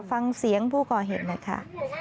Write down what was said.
ฟังเสียงผู้ก่อเหตุหน่อยค่ะ